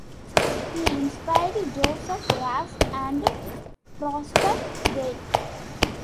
He inspired Joseph Raz and Prosper Weil.